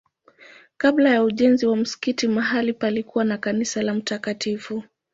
Kabla ya ujenzi wa msikiti mahali palikuwa na kanisa la Mt.